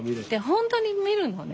本当に見るのね。